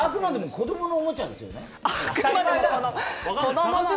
子供のおもちゃです！